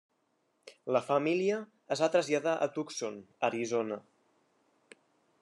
La família es va traslladar a Tucson, Arizona.